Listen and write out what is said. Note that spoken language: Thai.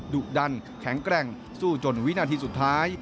ดุดันแข็งแกร่งสู้จนวินาทีสุดท้าย